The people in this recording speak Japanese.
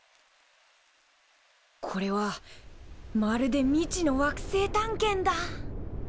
これはまるで未知の惑星探検だ。